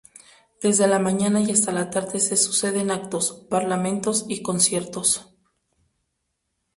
Desde la mañana y hasta la tarde se suceden actos, parlamentos y conciertos.